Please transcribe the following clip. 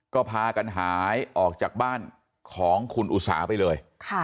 ก็พากันหายออกจากบ้านของคุณอุตสาไปเลย